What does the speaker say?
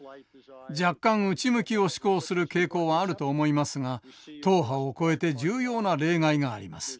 若干内向きを志向する傾向はあると思いますが党派を超えて重要な例外があります。